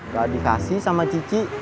gak dikasih sama cici